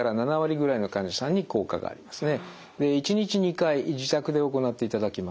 １日２回自宅で行っていただきます。